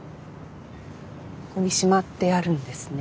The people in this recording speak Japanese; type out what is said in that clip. ここにしまってあるんですね。